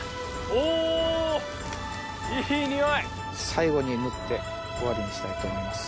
最後に塗って終わりにしたいと思います。